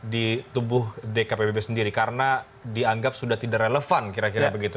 di tubuh dkpbb sendiri karena dianggap sudah tidak relevan kira kira begitu